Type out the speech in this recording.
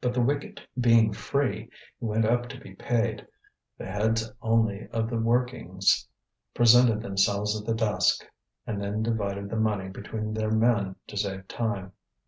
But the wicket being free he went up to be paid. The heads only of the workings presented themselves at the desk and then divided the money between their men to save time.